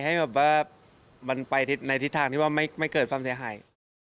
ให้แบบว่ามันไปในทิศทางที่ว่าไม่เกิดความเสียหาย